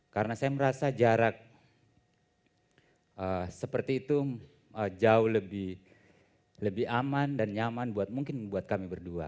karena saya merasa jarak seperti itu jauh lebih aman dan nyaman mungkin buat kami berdua